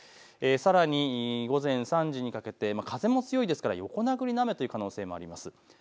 さらに午前３時にかけては風も強いですから横殴りの雨という可能性もあります。